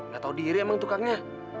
gak tau diri emang tukangnya